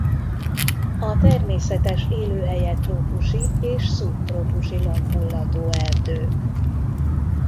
A természetes élőhelye trópusi és szubtrópusi lombhullató erdők.